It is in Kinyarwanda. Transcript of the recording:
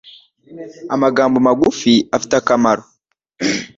Amagambo magufi afite akamaro